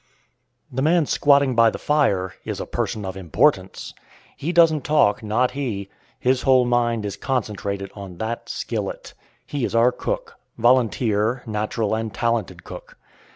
The man squatting by the fire is a person of importance. He doesn't talk, not he; his whole mind is concentrated on that skillet. He is our cook, volunteer, natural and talented cook.